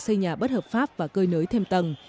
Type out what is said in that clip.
xây nhà bất hợp pháp và cơi nới thêm tầng